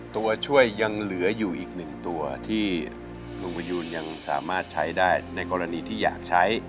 ตัวช่วยยังเหลืออยู่อีกหนึ่งตัวที่ลุงประยูนยังสามารถใช้ได้ในกรณีที่อยากใช้